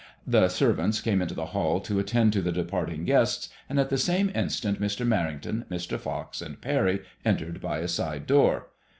The servants came into the hall to attend to the departing guests, and at the same instant Mr. Merrington, Mr. Fox and Parry entered by a side door.